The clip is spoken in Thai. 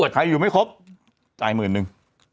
ใครอยู่ไม่ครบจ่ายหมื่นนึง